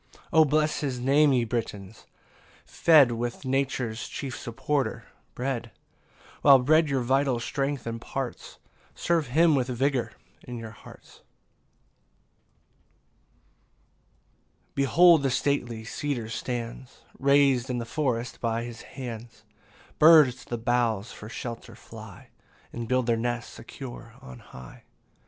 12 O bless his Name ye Britons, fed With nature's chief supporter, bread; While bread your vital strength imparts, Serve him with vigour in your hearts. PAUSE II. 13 Behold the stately cedar stands, Rais'd in the forest by his hands: Birds to the boughs for shelter fly And build their nests secure on high.